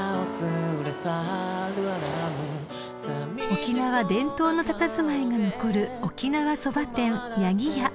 ［沖縄伝統のたたずまいが残る沖縄そば店屋宜家］